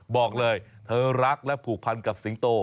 บอกเลยเธอรักและผูกพันกับสิงโต